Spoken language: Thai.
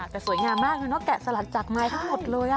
แต่สวยงามมากแกะสลักจากไม้ทั้งหมดเลย